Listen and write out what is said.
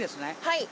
はい。